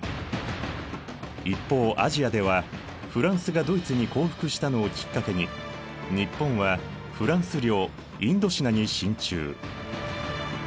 一方アジアではフランスがドイツに降伏したのをきっかけに日本はフランス領インドシナに進駐。